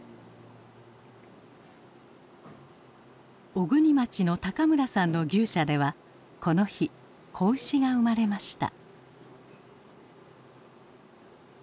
小国町の村さんの牛舎ではこの日子牛が産まれました。